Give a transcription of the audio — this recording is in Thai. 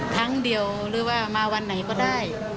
ครั้งเดียวหรือว่ามาวันไหนก็ได้